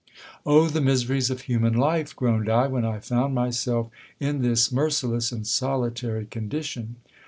Oh the miseries of human life ! groaned I, when I found myself in this mer ciless and solitary condition.